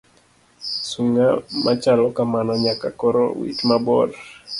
Sung'a machalo kamano nyaka koro wit mabor.